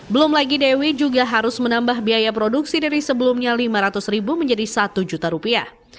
belum lagi dewi juga harus menambah biaya produksi dari sebelumnya lima ratus ribu menjadi satu juta rupiah